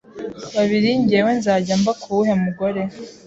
babiri njyewe nzajya mba ku wuhe mugore